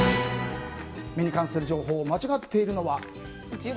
目に関する情報間違っているのは。